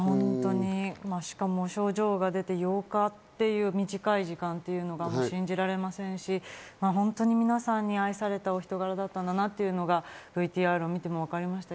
しかも症状が出て８日っていう短い時間っていうのが信じられませんし、本当に皆さんに愛されたお人柄だったんだなっていうのがＶＴＲを見てもわかりました。